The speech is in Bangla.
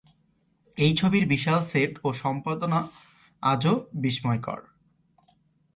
এ ছবির বিশাল সেট ও সম্পাদনা আজও বিস্ময়কর।